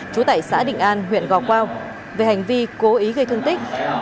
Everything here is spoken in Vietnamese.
chủ tệ xã định an huyện gò quao về hành vi cố ý gây thương tích